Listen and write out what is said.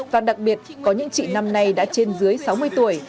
và đặc biệt có những chị năm nay đã trên dưới sáu mươi tuổi